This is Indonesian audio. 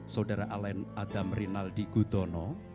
saudara alen adam rinaldi gudono